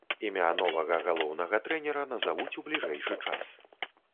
Імя новага галоўнага трэнера назавуць у бліжэйшы час.